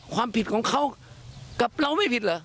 ความผิดของเขากับเราไม่ผิดเหรอ